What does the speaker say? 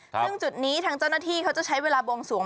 ซึ่งจุดนี้ทางเจ้าหน้าที่เขาจะใช้เวลาบวงสวง